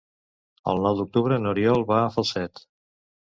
El nou d'octubre n'Oriol va a Falset.